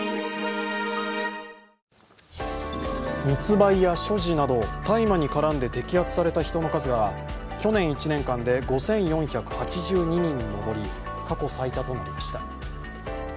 密売や所持など大麻に絡んで摘発された人の数が去年１年間で５４８２人に上り、過去最多となりました。